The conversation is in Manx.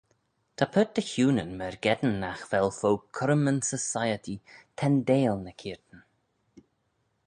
Ta paart dy h-Ewnyn myrgeddyn nagh vel fo currym yn Society tendeil ny cheayrtyn.